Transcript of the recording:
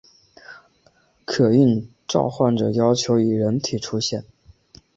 可应召唤者要求以人形出现。